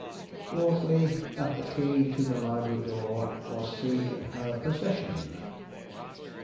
"Fourthly, that the key to the library door was seen in her possession.